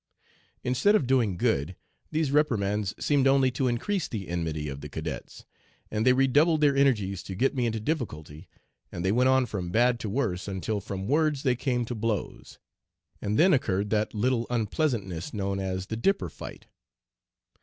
"Instead of doing good, these reprimands seemed only to increase the enmity of the cadets, and they redoubled their energies to get me into difficulty, and they went on from bad to worse, until from words they came to blows, and then occurred that 'little onpleasantness' known as the 'dipper fight.'